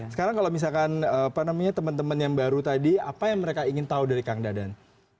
sekarang kalau misalkan teman teman yang baru tadi apa yang mereka ingin tahu dari kang dadan